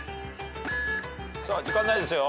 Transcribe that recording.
時間ないですよ。